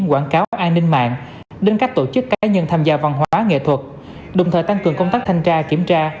quảng cáo an ninh mạng đến các tổ chức cá nhân tham gia văn hóa nghệ thuật đồng thời tăng cường công tác thanh tra kiểm tra